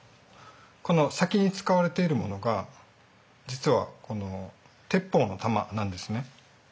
この先に使われているものが実は鉄砲の弾なんですね。